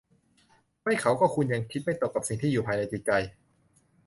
ไม่เขาก็คุณยังคิดไม่ตกกับสิ่งที่อยู่ภายในจิตใจ